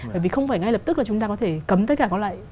bởi vì không phải ngay lập tức là chúng ta có thể cấm tất cả các loại